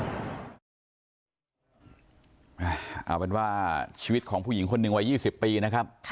เอาเป็นว่าชีวิตของผู้หญิงคนหนึ่งวัย๒๐ปีนะครับ